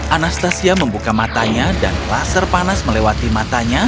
anastasia membuka matanya dan laser panas melewati matanya